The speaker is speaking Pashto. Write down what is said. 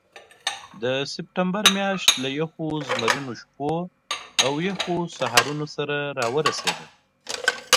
د سپټمبر میاشت له یخو زمرینو شپو او یخو سهارو سره راورسېده.